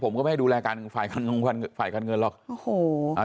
ผมก็ไม่ดูแลการฝ่ายกันเงินล่ะ